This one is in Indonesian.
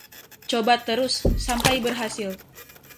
coba terus sampai berhasil